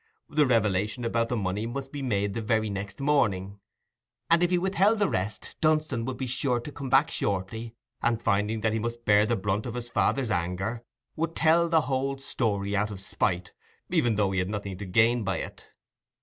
The revelation about the money must be made the very next morning; and if he withheld the rest, Dunstan would be sure to come back shortly, and, finding that he must bear the brunt of his father's anger, would tell the whole story out of spite, even though he had nothing to gain by it.